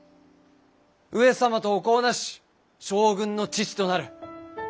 上様とお子をなし将軍の父となる。